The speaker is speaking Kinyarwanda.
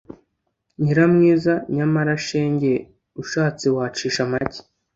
Nyiramwiza: Nyamara shenge ushatse wacisha make;